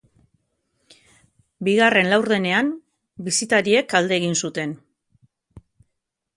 Bigarren laurdenean, bisitariek alde egin zuten.